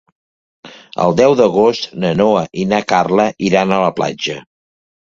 El deu d'agost na Noa i na Carla iran a la platja.